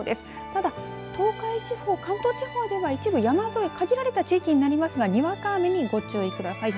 ただ、東海地方関東地方では一部山沿い限られた地域になりますがにわか雨にご注意ください。